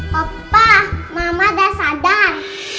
papa mama udah sadar